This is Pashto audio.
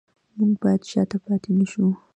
موږ باید شاته پاتې نشو